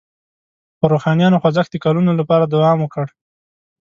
خو روښانیانو خوځښت د کلونو لپاره دوام وکړ.